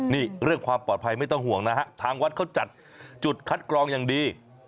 นี่เรื่องความปลอดภัยไม่ต้องห่วงนะฮะทางวัดเขาจัดจุดคัดกรองอย่างดี